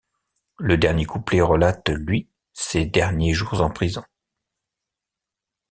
Le dernier couplet relate lui, ses derniers jours en prison.